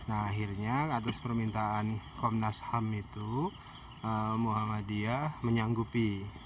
nah akhirnya atas permintaan komnas ham itu muhammadiyah menyanggupi